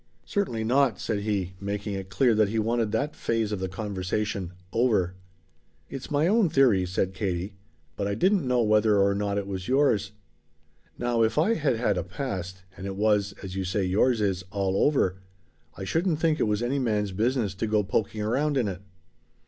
"Certainly not," said he, making it clear that he wanted that phase of the conversation "over." "It's my own theory," said Katie. "But I didn't know whether or not it was yours. Now if I had had a past, and it was, as you say yours is, all over, I shouldn't think it was any man's business to go poking around in it."